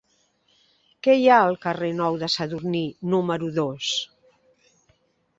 Què hi ha al carrer Nou de Sadurní número dos?